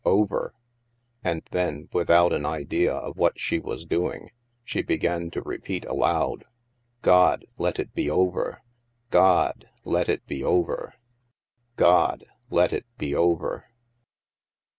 Over.'' And then, without an idea of what she was doing, she began to repeat aloud, " God, let it be over ! God, let it be over ! God, let it be over